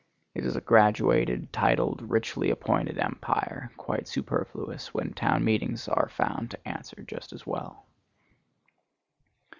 It is a graduated, titled, richly appointed empire, quite superfluous when town meetings are found to answer just as well.